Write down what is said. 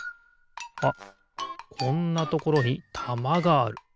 あっこんなところにたまがある。